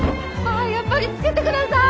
やっぱりつけてください！